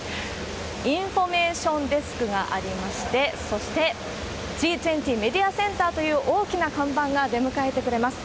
インフォメーションデスクがありまして、そしてＧ２０メディアセンターという大きな看板が出迎えてくれます。